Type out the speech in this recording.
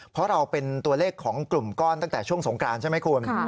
เพราะเราเป็นตัวเลขของกลุ่มก้อนตั้งแต่ช่วงสงกรานใช่ไหมคุณ